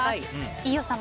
飯尾さん